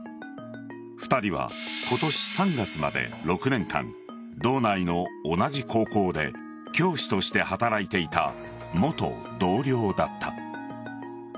２人は今年３月まで６年間道内の同じ高校で教師として働いていた元同僚だった。